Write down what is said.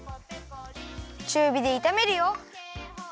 ちゅうびでいためるよ。